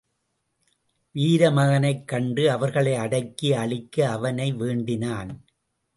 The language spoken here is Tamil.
வீர மகனைக் கண்டு அவர்களை அடக்கி அழிக்க அவனை வேண்டினான்.